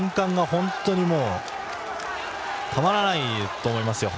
本当にたまらないと思いますよ。